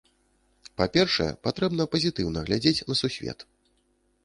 Па-першае патрэбна пазітыўна глядзець на сусвет.